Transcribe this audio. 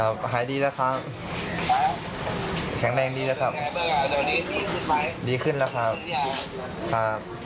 วันนี้ก็กลับเรียนทะลองนายกครับ